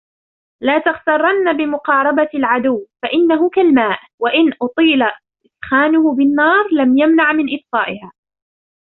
لَا تَغْتَرَّنَّ بِمُقَارَبَةِ الْعَدُوِّ فَإِنَّهُ كَالْمَاءِ وَإِنْ أُطِيلَ إسْخَانُهُ بِالنَّارِ لَمْ يَمْنَعْ مِنْ إطْفَائِهَا